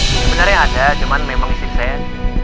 sebenernya ada cuman memang isi saya